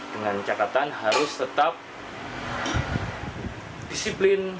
dengan catatan harus tetap disiplin